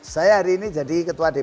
saya hari ini jadi ketua dpr